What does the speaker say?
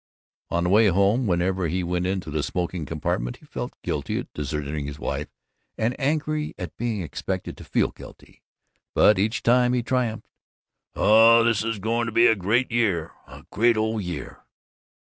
On the way home, whenever he went into the smoking compartment he felt guilty at deserting his wife and angry at being expected to feel guilty, but each time he triumphed, "Oh, this is going to be a great year, a great old year!"